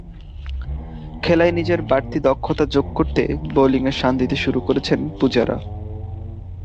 খেলায় নিজের বাড়তি দক্ষতা যোগ করতে বোলিংয়ে শাণ দিতে শুরু করেছেন পূজারা।